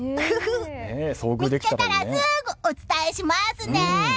見つけたらすぐお伝えしますね。